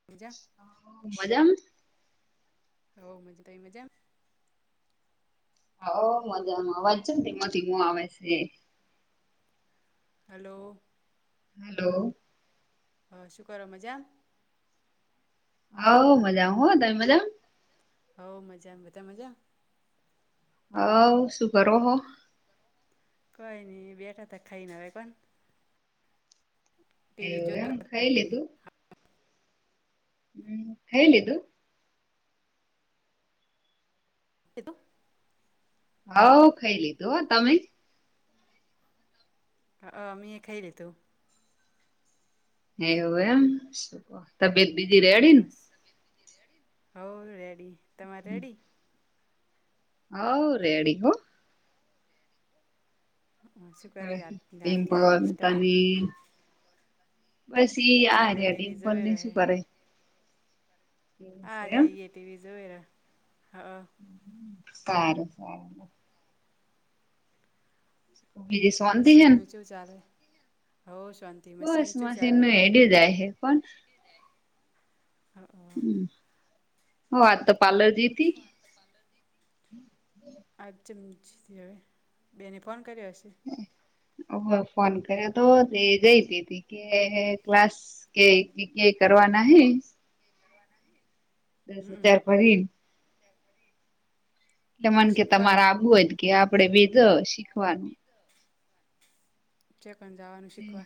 [unintelligible] હ મજા મજામાં હ મજામાં અવાજ છે ને થીમોથીમો આવે છે. હલો. હેલો. હ શું કરો મજામાં. હા મજા હો તમે મજામાં? હ મજા બધા મજા? હ શું કરો હો? કોઈ નઈ બેઠા તો ખાઈને હવે કોણ? એવું એમ ખાઈ લીધું? હમ ખાઈ લીધું? એ તો હ ખાઈ લીધું હ તમે? હા મે ખાઈ લીધુંવ એવું એમ તબિયત બીજી રેડી ને? હ રેડી તમારે રેડી? હ રેડી હું. [unintelligible] બસ એ આ રહ્યા ટેમ્પલ ને શું કરે? આ રઈએ ટીવી જોવેરા. હા. સારું સારું. [unintelligible] બસ મશીન નું હેડયું જાય છે પણ હમ હ આજ તો પાર્લર જ હતી. [unintelligible] બેને ફોન કર્યો હશે. ઓ ફોન કર્યો તો તે જઈતી હતી કે ક્લાસ કે કરો? [inaudible] દસ હજાર ભરી એટલે મને કે તમારે આવું હોય કે આપડે બે શીખવાનું. જાવાનું શીખવા?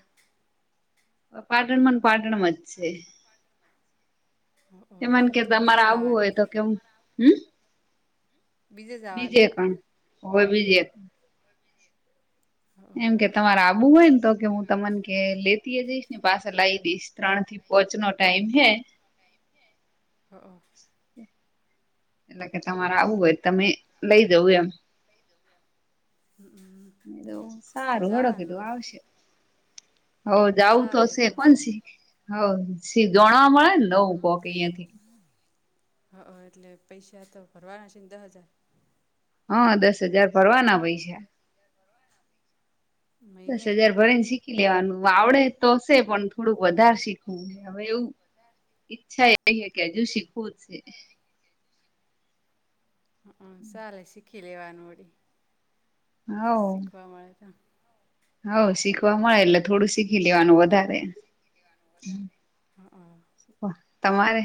હ પાટણમાંને પાટણમાં જ છે. એમન કે તમારે આવવું હોય તો કેમ હમ? બીજે પણ હોય બીજે એમ કે તમારે આબુ હોય ને તો કે હું તમને કે લેતી જઈશને પાછા લાવી દઈશ ત્રણ થી પહચનો ટાઈમ હે. હા. એના કરતા તમારે આવું હોય તમે લઈ જવું એમ. એ તો સારું હેડો કીધું આવશે. હોવ જાઉ તો સે કોણ સે? હો સીધોણા મળે ને નવું કોક અહિયાંથી. હા એટલે પૈસા તો ભરવાના છે ને દહ હજાર. હા દસ હજાર ભરવાના પૈસા. દસ હજાર ભરીને શીખી લેવાનું. આવડે તો સે પણ થોડુંક વધારે શીખવું હવે એવું. ઈચ્છા એવી હે કે હજુ શીખવું સે. [inaudible] હા ચાલે શીખી લેવાનું વડી શીખવા મળે તો. હોવ શીખવા મળે એટલે થોડું શીખી લેવાનું વધારે. તમારે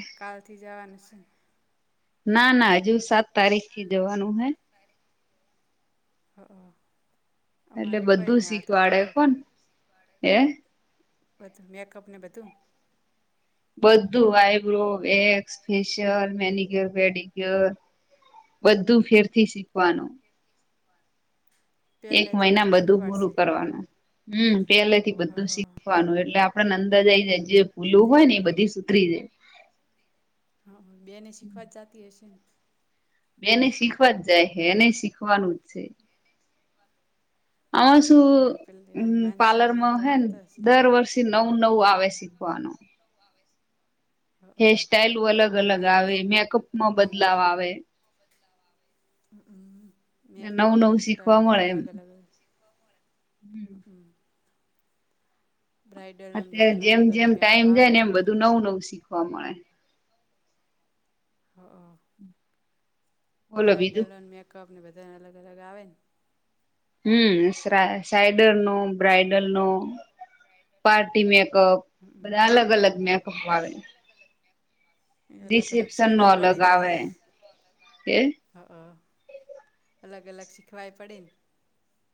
[inaudible] ના, ના હજુ સાત તારીખ થી જવાનું હે. [inaudible] એટલે બધું શીખવાડે કોન હે. બધું મેકઅપને બધું? બધું eyebrow, wax, facial, manicure, pedicure. બધું ફેરથી શીખવાનું. એક મહિના બધું પૂરું કરવાનું. હમ્મ પેલેથી બધું શીખવાનું એટલે આપ ણ અંદર જ રહી જાય, જે ભૂલું હોય ને એ બધી સુધરી જાય. હા, હા બહેન એય શીખવા જ જાતી હશે ને? બહેનેય શીખવાય જ જાય હે, એનેય શીખવાનું જ છે. આમાં શું અમ્મ પાર્લરમાં હે ને દર વર્ષે નવું-નવું આવ વે શીખવાનું. હેરસ્ટાઈલું અલગ-અલગ આવે, મેકઅપમાં બદલાવ આવે. હમ્મ, મેકઅપ ને હેરસ્ટાઈલ બધું અલગ-અલગ આવે? હમ્મ. અત્યારે જેમ-જેમ ટાઈમ જાય ને એમ બધું નવું-નવું શીખવા મળે. [inaudible] બ્રાઈડલ અન મેકઅપ ને બધાને અલગ-અલગ આવે ને? હમ્મ, સ્રા સાઈડર નો, બ્રાઈડલ નો, પાર્ટી મેક ક બધા અલગ-અલગ મેકઅપું આવે. એ અલગ-અલગ શીખવા પડે પહી. અહં. અલગ-અલગ શીખવાય પડેને?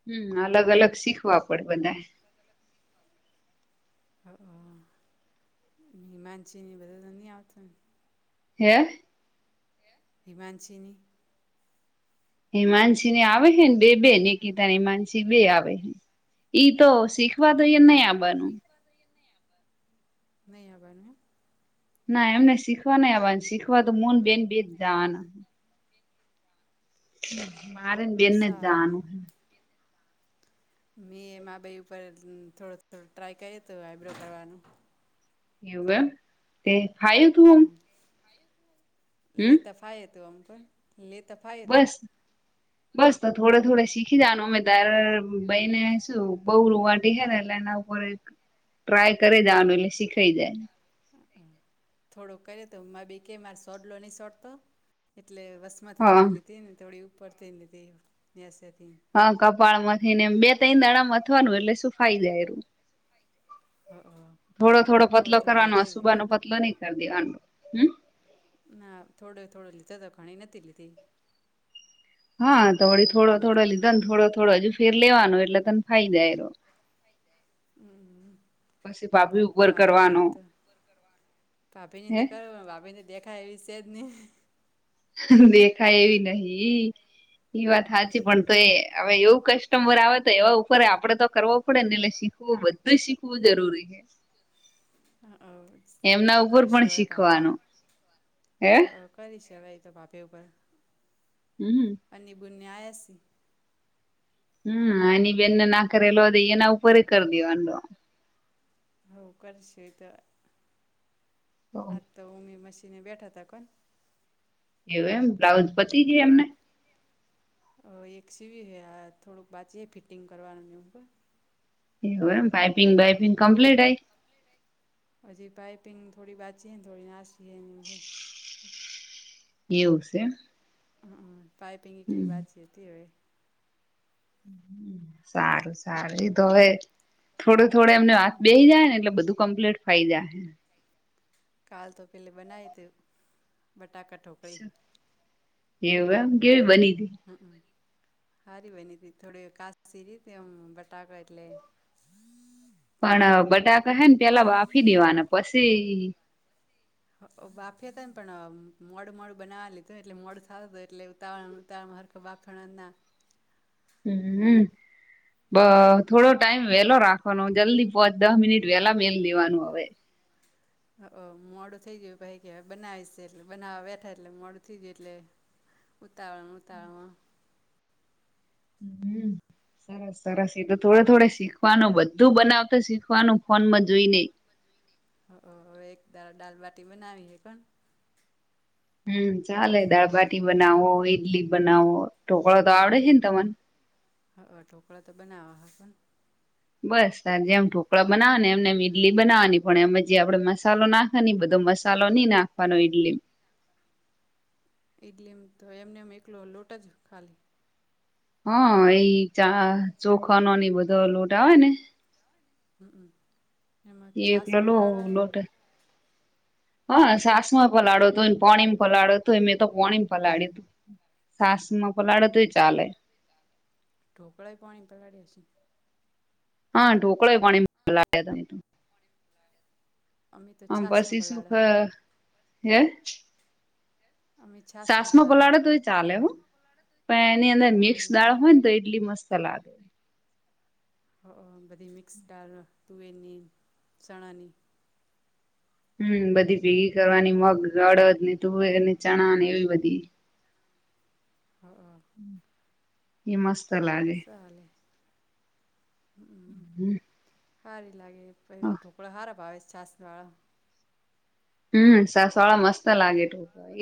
હમ્મ અલગ-અલગ શીખવા પડે બધાય. અહં [unintelligible] હે? હિમાંશિની હેમાંશી ને ઈ આવે હે ને, બે બે નિકિતા ને હિમાંશી બેય આવે હે. ઈ તો શીખવા દઈએ નહી આવવાનું. નહીં આવવાનું એમ. ના એમને શીખવા નહી આવવાન, શીખવા તો હુન બેન બેજ જાવાના. મારે ને બેનને જ જાવાનું હે. મેં માબાઈ ઉપર થોડો ત ટ્રાય કર્યુ તું આઈબ્રો કરવાનો. એવું એમ, તે હમ્મ-હમ્મ. લેતા ફાય હતું આમ પણ. બસ-બસ તો થોડે-થોડે શીખી જવાનું. અમે દાર બાઈને શું બઉ રૂવાંટી હે ને એટલે એના ઉપર એક ટ્રાય કરી જવાનું એટલે શીખાઈ જાય. થોડો કરીએ તો માં બી કે માર સોડલો નહી, સોડતો એટલે વસતમાંથી થોડી, લીધી ને થોડી ઉપર થીને લીધી્યાસેથી હા, કપાળમાં થઈને. બે તઈ દાણા મથવાનું એટલે શું ફાઈ જાય એું થોડો, થોડો પતલો કરવાનો આ સુબાનોો પતલો નઈ, કરી દેવાડો હમ ના થોડો, થોડો લીધો તો ઘણી નથી. લીધી હા, તો વળી થોડા, થોડા લીધા ને થોડા, થોડા હજ ફેર, લેવાનું એટલે તને ફાઈ જાય પછી ભાભી ઉપર કરવાનો ભાભી નીંદ કર ભાભી ને દેખાય, એવી છેજ, નહી. દેખાય એવી નહિ એ વાત સાાચી, પણ તો એ હવે એવું કસ્ટમર આવે તો એવા ઉપર આપડે તો કરવો પડે ને એટલે શીખવું બધું શીખવું જરૂરી છે. હ એતો કરશું હવે બાપીને હ કરીશુ કેવાય, તો પાપે ઉપર હમ્મ નન્યાયસી હમ, એની બેનને ના કરેલો એના ઉપર, કરી દ્યોડો હ, કરશે તો આ તો ઉમી મશીને બેઠા, તા કોને એવું એમ બ્લાઉઝ પતિ છે, એમને હ, એક સીવી હ, આ થોડુંક વાચી ફિટિંગ કરવાનું હુ પણ એવુ, એમ પાઈપિંગ બાઈપિંગ કમ્પ્લીટ આ હજી, પાઈપિંગ થોડી બાચી થડી નાશતી એવું છે. પાઇપિંગ કેલી વાત છેીતી, હયવે સારુ, સારુ એ તો હવે થોડુંક થોડે એમને હાથ, બેહી જાય ને એટલે બધું કમ્પ્લીટ ફ થઇ જાય કાલ તો પેલે બનાય હતી, બટાકાા ઠોકરી એવું એમ, કેવી બની હમ સારી બની હતી, થોડી કાસ રતે એમ બટાકા એટલે પણ બટાકા હેને, પેલા બાફી દેવાના પછી બાફિયા હતા, ને પણ મોડ મોડ બનાવા લીધું એટલે મોડ થારું એટલે ઉતાવ ઉતા હર, બાફણના હમ્મ બ થોડો, ટાઈમ વેલો રાખવાનો જલ્દી પહચ દ મિનિટ વેહલા મેલ લેવાનુ હવે મોડું થઈ ગયું ભાઈ કે બનાવી છે, એટલે બનાવવા બેઠા એટલે મોડું થઇ ગયુ એટલે ઉતાળમ, ઉતાળંગ હમ્મ સરસ સરસ એ તો થોડે થોડે શીખવાનું બધું બનાવત, શીખવાનું ફોનમા જોઈને હ હવે એક દાલબાટી બનાવી, હે કોણ હમ, ચાલે દાળભાટી બનાવો ઈડલી બનાવો ઢોકળો તો આવડે છેને, તને હા, ઢોકળા તો બનાવા હ પણ બસ તાર જેમ ઢોકળા બનાવાને એમને એમ ઈડલી, બનાવવાની પણ એમ જે આપડે મસાલો નાખવા ની બધા તો મસાલો નઈ, નાખવાનો ઇડલી ઈડલીમ, તો એમને એમ એકલો લોટ જ ખાલી હા, એ ચા ચોખાનોની બધો લોટ આવે ને હમ એકલો લો હો લોટ હા સાસ માં પલાળો તુંને પાણી પલાળો હતું એં તો પોણી પલાળ્યું તું સાસમાં પલાડતુંય ચાલે ઢોકળા પાણી પલાળ્યા છે હા ઢોકળા એ પાણી લાગે છે. આમ પછી શું ખ હે. સાસમાં પલાડે તો એ ચાલે હ. પણ એની અંદર મિક્સ દાળ હોય ને તો ઇડલી મસ્ત લાગે. હ બધી મિક્સ દાળ તુવેરની, ચણાની, હમ્મ બધી ભેગી કરવાની મગ, અડદ ને તુવેર, ચણાને એવી બધી. હા. એ મસ્ત લાગે. હમ્મ. હારી લાગે. પછી ઢોકળા હારા ભાવે છાસ વાળા. હમ્મ સાસ વાળા મસ્ત લાગે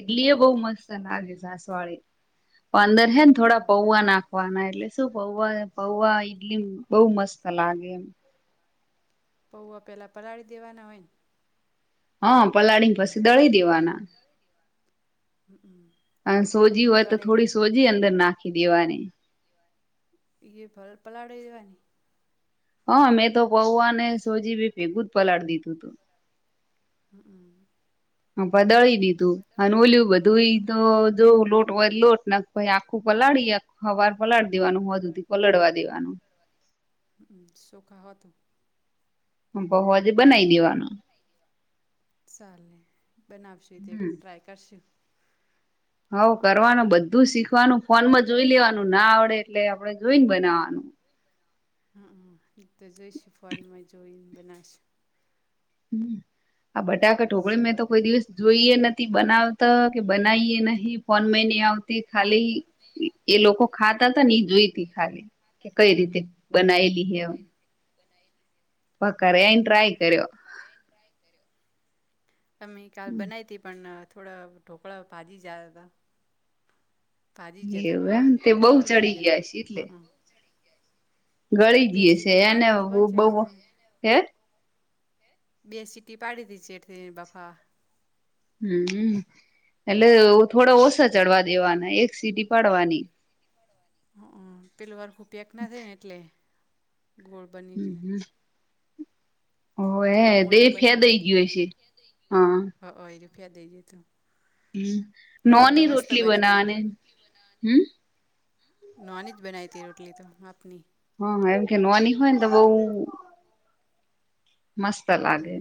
ઇડલી એ બહુ મસ્ત લાગે સાસવાળી. [inaudible] પણ અંદર હે ને થોડા પૌવા નાખવાના એટલે શું પૌવા પૌવા ઈડલી બહુ મસ્ત લાગે એમ. પૌઆ પેલા પલાળી દેવાના હોયને. હા પલાળી ને પછી દળી દેવાના. હમ્મ હ. અન સોજી હોય તો થોડી સોજી અંદર નાખી દેવાની. ઈય ભલ પલાદી દેવાની. હ મેં તો પૌવાને સોજી બે ભેગું જ પલાળ દીધું તું. હમ્મ. દડી દીધું અને ઓલુ બધું દોઈ તો જો લોટ હોય લોટ નઈ આખું પલાળી હવાર પલાળી દેવાનું હોંજ હુધી. પલડવા દેવાનું. હમ્મ હ શું ખા હો ત. બહુ જ બનાવી દેવાનું ચલેને બનાવશું તે ટ્રાય કરશું હવ કરવાનું બધું શીખવાનું ફોનમાં જોઈ લેવાનું ના આવડે એટલે આપડે જોઈને બનાવાનું હમ એ તો જઈશ ફોન માં જોઈને બનાસ હમ આ બટાકા ઢોકળી મેં તો કોઈ દિવસ જોઈએ નથી બનાવતા કે બનૈય નહી ફોન મહિને આવતી ખાલી એ લોકો ખા જોઈ ત ખાલી-કે કઈ રીતે બનાયલી હ પક ઘરે આઈ ને ટ્રાય કર્યો અમે કાલ બનાઈ તી પણ થોડા ઢોકળા ભાજી જ હતા એવુ એમ તે બહુ ચડી ગયા છે એટલે ગળી જઈએ છે એને બહુ કે બે સીટી પાડી દી છેઠલી બફા હમ એટલે થોડા ઓછા ચડવા દેવાના એક સીટી પાડવાની હ પેલ વાર ખુબ પેક ના થ ને એટલે ગોળ બની જ ને થોડો મોટા બન્યા તો એટલે-હ રૂપિયા દઈ જ તું હ નોની રોટલી બનાવાની હમ નોની જ બનાઈ હતી રોટલી તો આપની હા એમ કે નોની હોય ને તો બઉ મસ્ત લાગે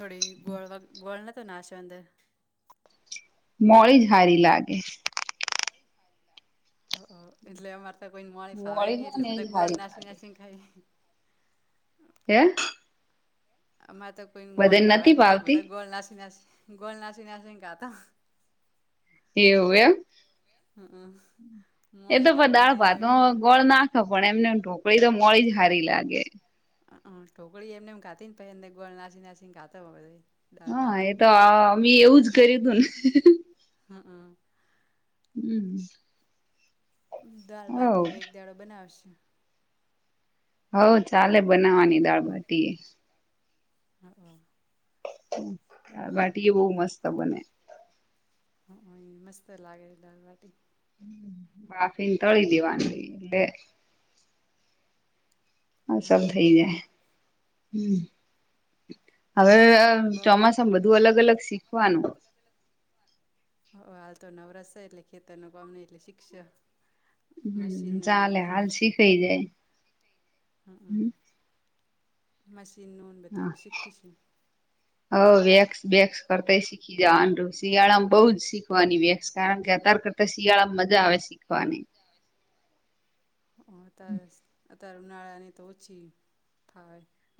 થોડી ગોળ ગોળ નતો નાશો અંદર મોળી જ હારી લાગે હ એટલે અમારે તો કોઈ મોળી ફાવે નહીં એટલે બધા ગોળ નાસી નાસીને ખાય હે અમારે તો કોઈ મોળી ભાવે નઈ એટલે બધા ગોળ નાસી નાશે ગોલ નાસી નાસી ને ગાતા એવું એમ એતો પણ દાળ ભાત માં ગોળ નાખે પણ એમને ઢોકળી તો મોળી જ હારી લાગે હ ઢોકડી એમનેમ ખાધી ને પણ એ ગોળ નાસી નાસીને ખાતાધ હા એ તો મેં એવું જ કર્યું હતું ને. હમ્મ-હમ્મ. હમ્મ. દાલ બાટી હવે એક દાડો બનાવશે. હવ ચાલે બનાવાની દાળબાટી એ. હા. વાટી એ બહુ મસ્ત બને. મસ્ત લાગે લાલબાટી. બાફીને તળી દેવાની એ અસલ થઇ જાય હમ્મ. હવે ચોમાસામાં બધું અલગ અલગ શીખવાનું. હ હાલ તો નવરાસ એટલે ખેતર નું કામ નહી એટલે શિક્ષ. હમ ચાલે હાલ શીખાઈ જાય. હમ્મ મશીન નુ બધું શીખીશું. હ વેક્સ વેક્સ કરતા શીખી જવાનું શિયાળામાં બઉ જ શીખવાની વેક્સ કારણ કે અતાર કરતા શિયાળામાં મજા આવે શીખવાની. હ અત્યારે અત્યારે ઉનાળાની તો ઓછી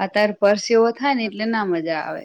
અત્યારે પરસેવ થાય ને એટલે ના મજા આવે.